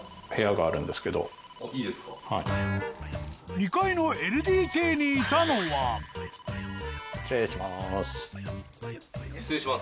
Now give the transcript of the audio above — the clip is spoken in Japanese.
２階のＬＤＫにいたのは失礼します。